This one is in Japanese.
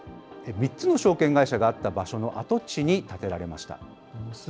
３つの証券会社があった場所の跡地に建てられました。